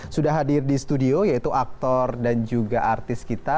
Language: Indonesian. sudah hadir di studio yaitu aktor dan juga artis kita